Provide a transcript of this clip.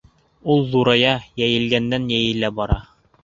Ул ҙурая, йәйелгәндән-йәйелә бара.